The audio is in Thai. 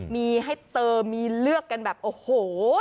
มีให้เติมมีเลือกกันแบบโอ้โห